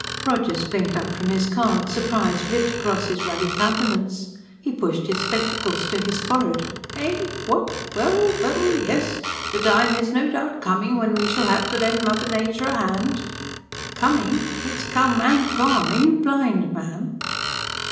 Rogers blinked up from his cards, surprise writ across his ruddy countenance. He pushed his spectacles to his forehead. "Eh? What? Well, well ... yes, the time is no doubt coming when we shall have to lend Mother Nature a hand." "Coming? It's come ... and gone. Are you blind, man?"